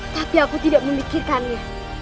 tapi aku tidak memikirkannya